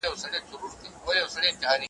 په ځنګله کي د خپل ښکار په ننداره سو `